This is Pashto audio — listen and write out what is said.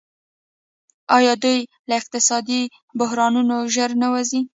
آیا دوی له اقتصادي بحرانونو ژر نه وځي؟